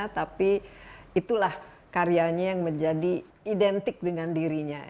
tapi itulah karyanya yang menjadi identik dengan dirinya